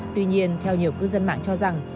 tuy nhiên theo nhiều cư dân mạng cho rằng